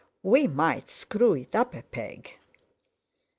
We might screw it up a peg."